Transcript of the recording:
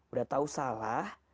udah tahu salah